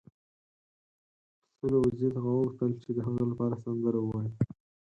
پسه له وزې څخه وغوښتل چې د هغه لپاره سندره ووايي.